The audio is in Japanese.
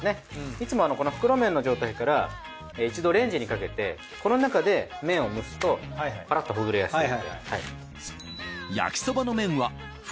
いつもこの袋麺の状態から一度レンジにかけてこの中で麺を蒸すとパラッとほぐれやすい。